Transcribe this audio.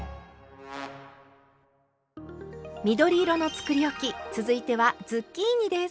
緑色のつくりおき続いてはズッキーニです。